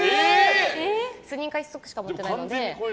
スニーカー１足しか持ってないので。